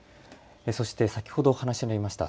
そして先ほどお話にもありました